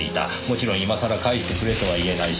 もちろん今さら返してくれとは言えない。